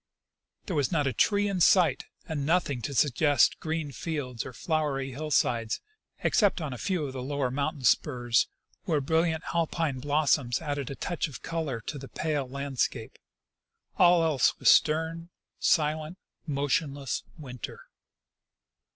There was not a tree in sight, and nothing to suggest green fields or flowery hill sides, except on a fcAV of the lower mountain spurs, where brilliant Alpine blossoms added a touch of color to the pale land scape. All else was stern, silent, motionless winter.